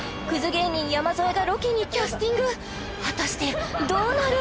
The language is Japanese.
芸人山添がロケにキャスティング果たしてどうなる？